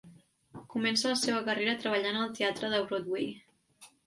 Comença la seva carrera treballant al teatre a Broadway.